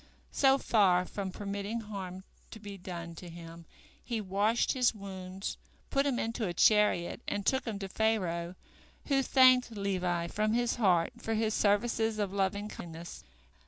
So far from permitting harm to be done to him, he washed his wounds, put him into a chariot, and took him to Pharaoh, who thanked Levi from his heart for his services of loving kindness.